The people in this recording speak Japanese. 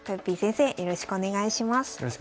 よろしくお願いします。